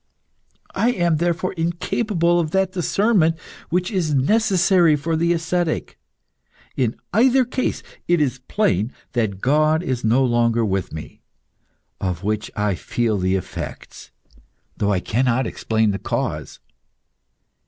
I am therefore incapable of that discernment which is necessary for the ascetic. In either case it is plain that God is no longer with me, of which I feel the effects, though I cannot explain the cause."